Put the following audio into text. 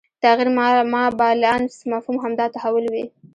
تغیر ما بالانفس مفهوم همدا تحول وي